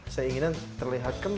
saya ingin terlihat kering